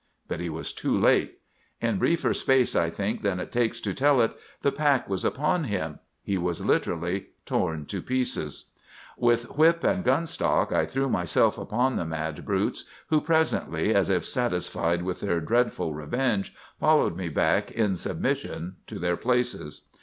"But he was too late! In briefer space, I think, than it takes to tell it, the pack was upon him. He was literally torn to pieces. "With whip and gun stock I threw myself upon the mad brutes, who presently, as if satisfied with their dreadful revenge, followed me back in submission to their places.